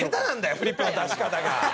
フリップの出し方が。